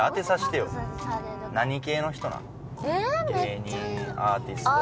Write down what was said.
芸人アーティストとか。